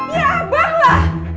ya abang lah